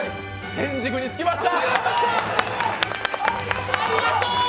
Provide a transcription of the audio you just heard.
天竺つきました！